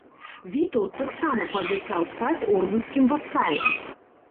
Вітаўт таксама паабяцаў стаць ордэнскім васалам.